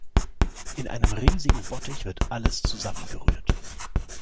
In einem riesigen Bottich wird alles zusammengerührt.